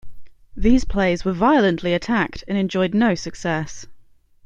These plays were violently attacked and enjoyed no success.